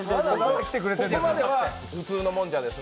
ここまでは普通のもんじゃですね？